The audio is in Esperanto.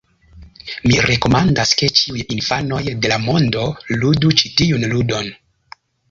Mi rekomendas ke ĉiuj infanoj de la mondo ludu ĉi tiun ludon!